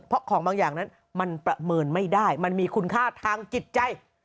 เพราะของบางอย่างนั้นมันประเมินไม่ได้มันมีคุณค่าทางจิตใจ